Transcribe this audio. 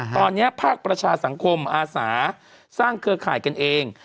ตอนนี้ภาคประชาสังคมอาสาสร้างเครือข่ายกันเอง